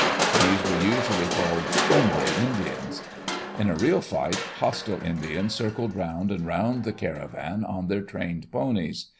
These were usually called "friendly" Indians! In a real fight, hostile Indians circled round and round the caravan on their trained ponies.